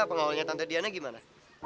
pengawalnya tante diana gimana